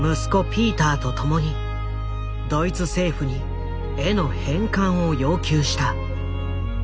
ピーターと共にドイツ政府に絵の返還を要求した。